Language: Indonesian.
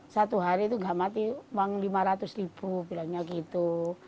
satu hari itu nggak mati uang lima ratus ribu bilangnya gitu